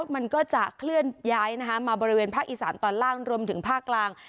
มันก็จะเคลื่อนย้ายมาบริเวณภาคอีสานตอนล่างรวมถึงภาคกลาง